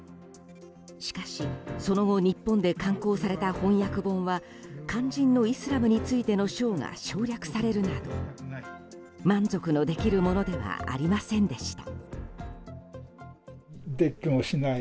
しかし、その後日本で刊行された翻訳本は肝心のイスラムについての章が省略されるなど満足のできるものではありませんでした。